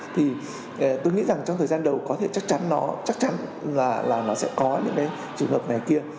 thì tôi nghĩ rằng trong thời gian đầu có thể chắc chắn là nó sẽ có những cái trường hợp này kia